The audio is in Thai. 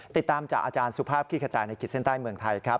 ติดตามจากอาจารย์สุภาพคลี่ขจายในขีดเส้นใต้เมืองไทยครับ